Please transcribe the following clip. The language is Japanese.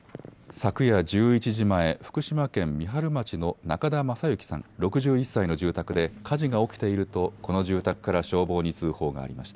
昨夜１１時前、福島県三春町の中田雅之さん、６１歳の住宅で火事が起きているとこの住宅から消防に通報がありました。